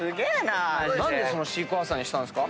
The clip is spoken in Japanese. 何でシークワーサーにしたんですか？